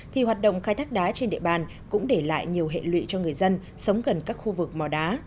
thì hoạt động khai thác đá trên địa bàn cũng để lại nhiều hệ lụy cho người dân sống gần các khu vực mỏ đá